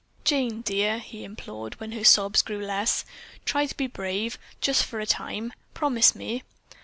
"Jane, dear," he implored, when her sobs grew less, "try to be brave, just for a time. Promise me!"